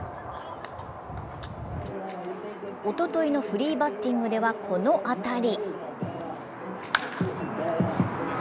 おとといのフリーバッティングでは、この当たり。